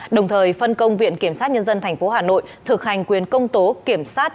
đồng thời phân công viện kiểm sát nhân dân tp hcm thực hành quyền công tố kiểm sát